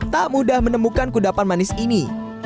tak mudah menemukan kudapan manis ini